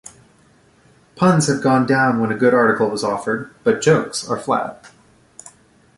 Puns have gone down when a good article was offered, but jokes are flat.